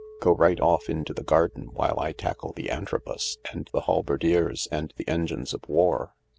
" Go right off into the garden while I tackle the Antrobus and the halberdiers and the engines of war.